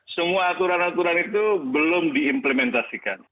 semua aturan aturan itu belum diimplementasikan